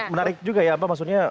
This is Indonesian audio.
menarik juga ya apa maksudnya